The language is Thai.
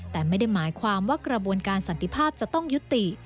แต่ไม่ได้หมายความว่ากระบวนการสันติภาพจะต้องยุติ